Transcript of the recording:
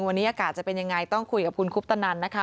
วันนี้อากาศจะเป็นยังไงต้องคุยกับคุณคุปตนันนะคะ